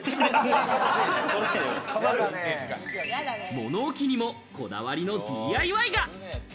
物置にもこだわりのＤＩＹが。